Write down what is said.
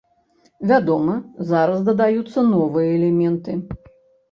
Вядома, зараз дадаюцца новыя элементы.